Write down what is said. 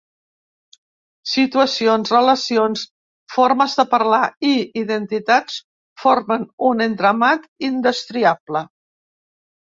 Situacions, relacions, formes de parlar i identitats formen un entramat indestriable.